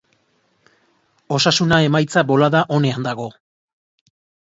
Osasuna emaitza bolada onean dago.